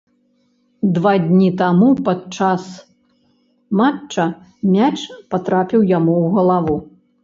Два дні таму падчас матча мяч патрапіў яму ў галаву.